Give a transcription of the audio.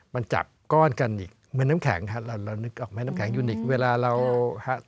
มันจับก้อนกันอีกเหมือนน้ำแข็งฮะเราเรานึกออกไหมน้ำแข็งยูนิคเวลาเราฮะ